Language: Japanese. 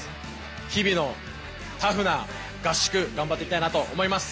日々のタフな合宿、頑張っていきたいなと思います。